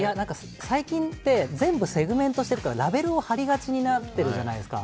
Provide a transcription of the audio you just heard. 最近って、全部セグメントしているからラベルを貼りがちになっているじゃないですか